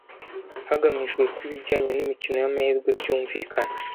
hagamijwe ko ibijyanye n’imikino y’amahirwe byumvikana